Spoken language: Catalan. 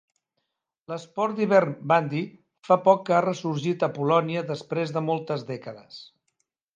L'esport d'hivern "bandy" fa poc que ha ressorgit a Polònia després de moltes dècades.